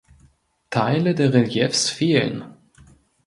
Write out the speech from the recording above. Teile der Reliefs fehlen.